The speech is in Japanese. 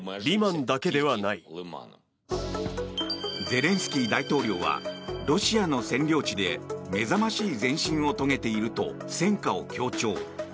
ゼレンスキー大統領はロシアの占領地で目覚ましい前進を遂げていると戦果を強調。